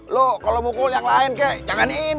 lo kalau mukul yang lain kayak jangan ini